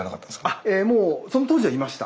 あっええもうその当時はいました。